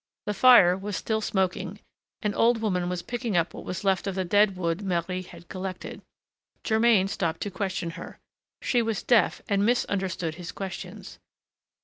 The fire was still smoking; an old woman was picking up what was left of the dead wood Marie had collected. Germain stopped to question her. She was deaf, and misunderstood his questions.